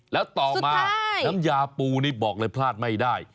แล้วต่อมาน้ำยาปูนี่บอกเลยพลาดไม่ได้